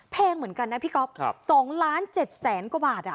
แพงเหมือนกันนะพี่ก๊อบครับสองล้านเจ็ดแสนกว่าบาทอ่ะ